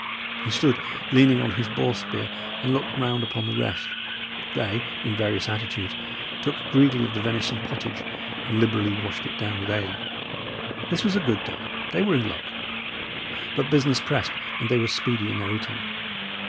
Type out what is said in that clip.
He stood leaning on his boar spear, and looked round upon the rest. They, in various attitudes, took greedily of the venison pottage, and liberally washed it down with ale. This was a good day; they were in luck; but business pressed, and they were speedy in their eating.